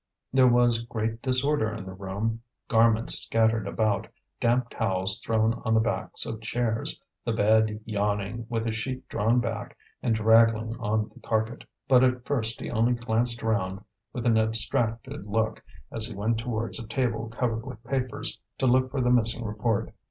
There was great disorder in the room garments scattered about, damp towels thrown on the backs of chairs, the bed yawning, with a sheet drawn back and draggling on the carpet. But at first he only glanced round with an abstracted look as he went towards a table covered with papers to look for the missing report.